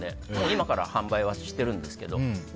今から販売はしてるんですけど。